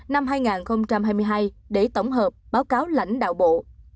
năm hai nghìn hai mươi hai để tổng hợp báo cáo lãnh đạo bộ